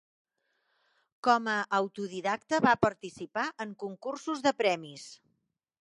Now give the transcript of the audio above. Com a autodidacta, va participar en concursos de premis.